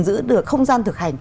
giữ được không gian thực hành